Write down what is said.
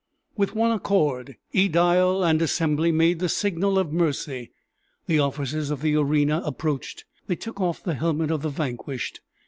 With one accord, ædile and assembly made the signal of mercy; the officers of the arena approached, they took off the helmet of the vanquished.